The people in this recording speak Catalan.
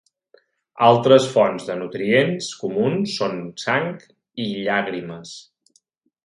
Altres fonts de nutrients comuns són sang i llàgrimes.